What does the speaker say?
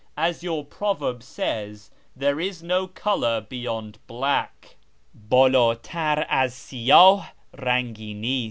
As your proverb says, ' There is no colour beyond black ' (IjdUi tar az siydli rangi nist).